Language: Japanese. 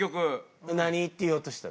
何って言おうとしてた？